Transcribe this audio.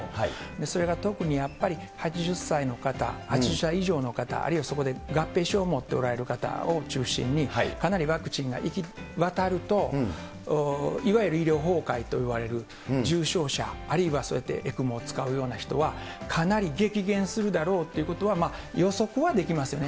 それが特にやっぱり８０歳の方、８０歳以上の方、あるいはそこで合併症を持っておられる方を中心に、かなりワクチンが行き渡ると、いわゆる医療崩壊といわれる重症者、あるいはそうやってＥＣＭＯを使うような人は、かなり激減するだろうということは、予測はできますよね。